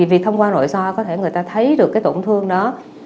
vì thông qua nội so có thể người ta thấy được cái tổn thương đó